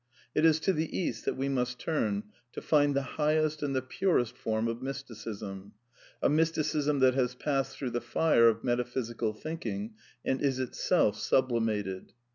It is to the East that we must turn to find the highest and the purest form of Mysticism ; a Mysticism that has passed through the fire of metaphysical thinking, and is itself sub limated.